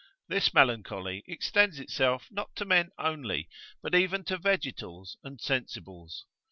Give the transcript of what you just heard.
This melancholy extends itself not to men only, but even to vegetals and sensibles.